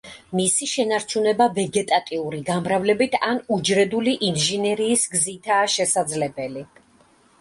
მისი შენარჩუნება ვეგეტატიური გამრავლებით ან უჯრედული ინჟინერიის გზითაა შესაძლებელი.